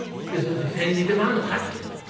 煎じてまんのかっちゅうてんの。